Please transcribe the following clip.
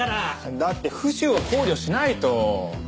だって浮腫を考慮しないと。